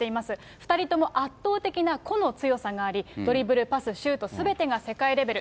２人とも圧倒的な個の強さがあり、ドリブル、パス、シュートすべてが世界レベル。